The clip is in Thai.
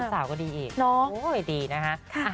สาวก็ดีอีกดีนะคะ